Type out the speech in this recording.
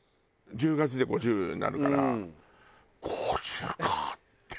１０月で５０になるから５０かって。